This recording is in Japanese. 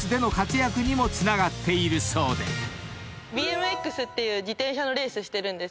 ＢＭＸという自転車のレースしてる。